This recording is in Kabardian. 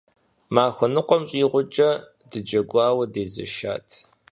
Махуэ ныкъуэм щӏигъукӏэ дыджэгуауэ дезэшат.